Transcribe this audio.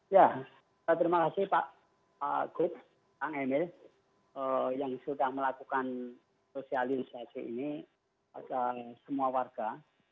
ya terima kasih pak gup kang emil yang sudah melakukan sosialisasi ini pada semua warga